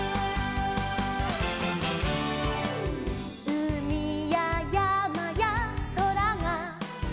「うみややまやそらが」